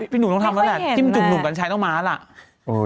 พี่หนูต้องทำแล้วจุบหนูกันใช้ต้องมาแล้ว